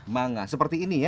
manga seperti ini ya